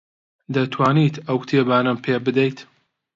دەتوانیت ئەو کتێبانەم پێ بدەیت؟